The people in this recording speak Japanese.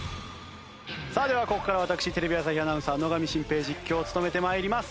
さあではここからは私テレビ朝日アナウンサー野上慎平実況を務めて参ります。